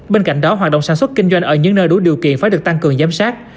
bên cạnh đó hoạt động sản xuất kinh doanh ở những nơi đủ điều kiện phải được tăng cường giám sát